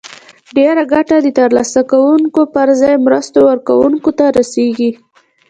ډیره ګټه د تر لاسه کوونکو پر ځای مرستو ورکوونکو ته رسیږي.